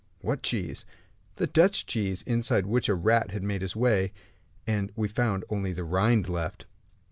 "What cheese?" "The Dutch cheese, inside which a rat had made his way, and we found only the rind left."